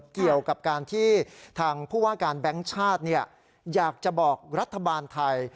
เกี่ยวกับการที่ทางผู้ว่าการแบงค์ชาติอยากจะบอกรัฐบาลไทย